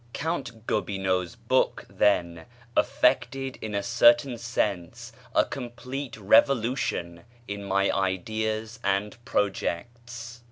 Count Gobineau's book, then, effected in a certain sense a complete revolution in my ideas and projects.